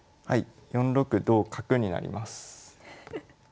４六同角になります。